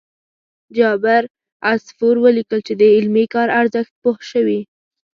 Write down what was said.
جابر عصفور ولیکل چې د علمي کار ارزښت پوه شوي.